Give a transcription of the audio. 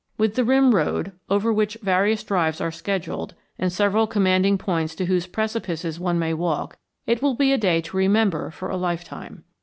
With the rim road, over which various drives are scheduled, and several commanding points to whose precipices one may walk, it will be a day to remember for a lifetime.